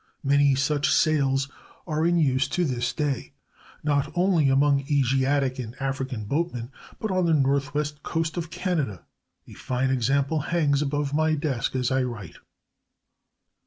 Many such sails are in use to this day not only among Asiatic and African boatmen, but on the northwest coast of Canada. A fine example hangs above my desk as I write.